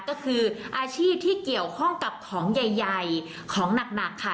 ก็คืออาชีพที่เกี่ยวข้องกับของใหญ่ของหนักค่ะ